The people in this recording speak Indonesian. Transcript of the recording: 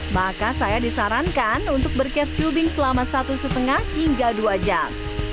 maka saya disarankan untuk bercave tubing selama satu lima hingga dua jam